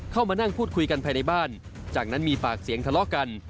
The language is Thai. มานั่งพูดคุยกันภายในบ้านจากนั้นมีปากเสียงทะเลาะกัน